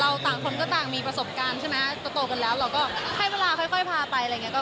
ต่างคนก็ต่างมีประสบการณ์ใช่ไหมโตกันแล้วเราก็ให้เวลาค่อยพาไปอะไรอย่างนี้